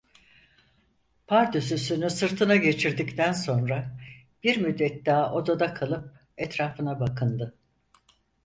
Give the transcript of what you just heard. Pardösüsünü sırtına geçirdikten sonra bir müddet daha odada kalıp etrafına bakındı.